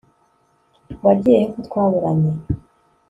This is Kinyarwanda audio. wagiye he ko twaburanye